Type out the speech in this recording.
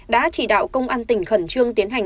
đã chỉ đạo công an tỉnh khẩn trương tiến hành